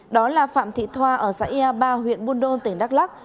đó là phạm thị thoa ở xã yà ba huyện buôn đôn tỉnh đắk lắc